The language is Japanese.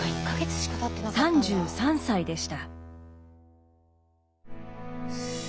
３３歳でした。